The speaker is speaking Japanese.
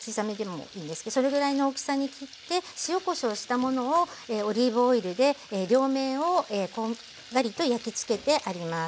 それぐらいの大きさに切って塩・こしょうをしたものをオリーブオイルで両面をこんがりと焼きつけてあります。